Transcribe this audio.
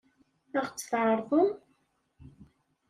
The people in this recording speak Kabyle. Ad ɣ-tt-tɛeṛḍem?